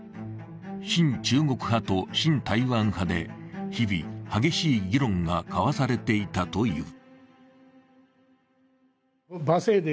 親中国派と親台湾派で日々、激しい議論が交わされていたという。